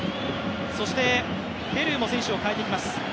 そして、ペルーも選手をかえてきます。